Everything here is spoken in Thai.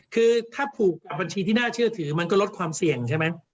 คือถ้าผูกกับบัญชีที่น่าเชื่อถือมันก็ลดความเสี่ยงใช่ไหม